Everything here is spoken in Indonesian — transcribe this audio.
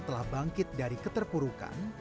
telah bangkit dari keterpurukan